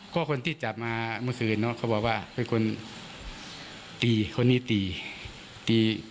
ก็คนที่จับมาเมื่อคืนเนอะเขาบอกว่าเป็นคนตีคนนี้ตีตี